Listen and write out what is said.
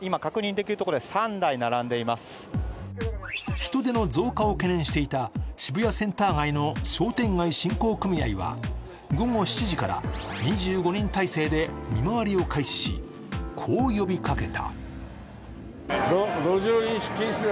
人出の増加を懸念していた渋谷センター街の商店街振興組合は、午後７時から２５人態勢で見回りを開始しこう呼びかけた。